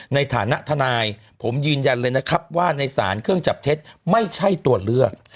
ในฐานะทนายผมยืนยันเลยนะครับว่าในสารเครื่องจับเท็จไม่ใช่ตัวเลือก